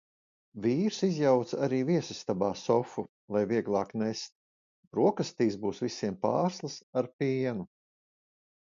Vīrs izjauca arī viesistabā sofu, lai vieglāk nest. Brokastīs būs visiem pārslas ar pienu.